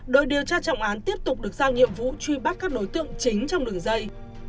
đội điều tra trọng án tiếp tục được giao nhiệm vụ truy bắt các đối tượng chính trong đường dây